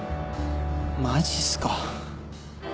マジっすか。